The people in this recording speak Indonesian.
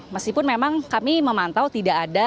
meskipun memang kami memantau tidak ada